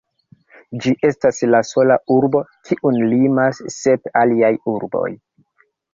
Ĝi estas la sola urbo, kiun limas sep aliaj urboj.